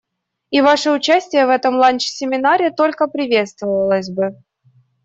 И ваше участие в этом ланч-семинаре только приветствовалось бы.